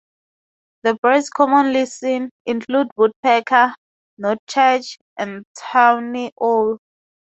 The birds commonly seen, include woodpecker, nuthatch, and tawny owl.